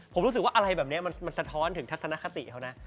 ผมรู้สึกว่าอะไรแบบนี้มันสะท้อนถึงทัศนคติเขานะ